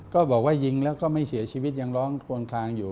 ก็บอกว่ายิงแล้วก็ไม่เสียชีวิตยังร้องทวนคลางอยู่